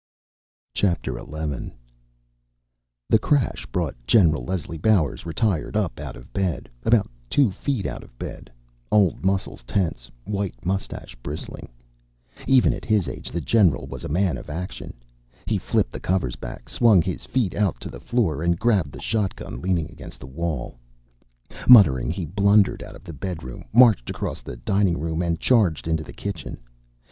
XI The crash brought Gen. Leslie Bowers (ret.) up out of bed about two feet out of bed old muscles tense, white mustache bristling. Even at his age, the general was a man of action. He flipped the covers back, swung his feet out to the floor and grabbed the shotgun leaning against the wall. Muttering, he blundered out of the bedroom, marched across the dining room and charged into the kitchen.